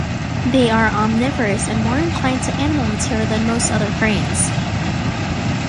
They are omnivorous and more inclined to animal material than most other cranes.